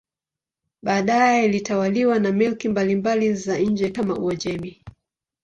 Baadaye ilitawaliwa na milki mbalimbali za nje kama Uajemi.